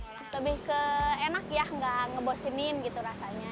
lebih ke enak ya nggak ngebosinin gitu rasanya